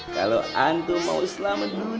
kalau antum mau selamat dunia